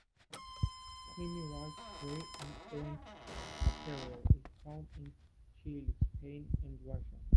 Creamy white, gray and orange material is found in Chile, Spain and Russia.